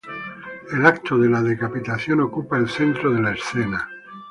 El acto de la decapitación ocupa el centro de la escena.